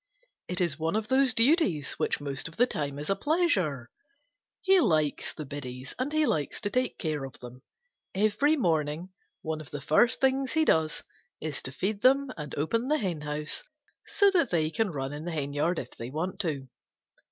It is one of those duties which most of the time is a pleasure. He likes the biddies, and he likes to take care of them. Every morning one of the first things he does is to feed them and open the henhouse so that they can run in the henyard if they want to.